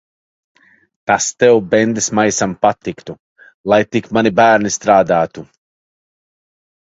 Tas tev, bendesmaisam, patiktu. Lai tik mani bērni strādātu.